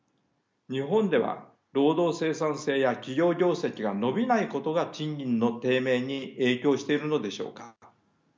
日本では労働生産性や企業業績が伸びないことが賃金の低迷に影響しているのでしょうか。